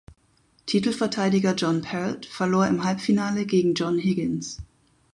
Titelverteidiger John Parrott verlor im Halbfinale gegen John Higgins.